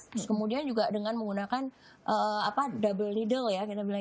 terus kemudian juga dengan menggunakan double needle ya